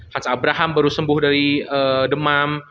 has abraham baru sembuh dari demam